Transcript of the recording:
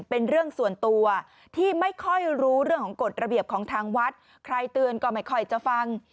เป็นเรื่องส่วนตัวที่ไม่ค่อยรู้เรื่องของกฎระเบียบของทางวัดใครเตือนก็ไม่ค่อยจะฟัง